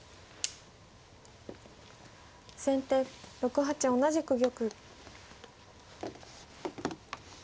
先手６八同じく玉。